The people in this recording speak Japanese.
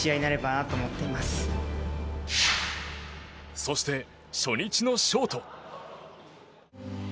そして、初日のショート。